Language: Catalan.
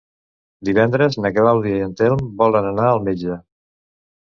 Divendres na Clàudia i en Telm volen anar al metge.